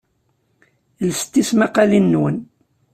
Lset tismqaqqalin-nwen.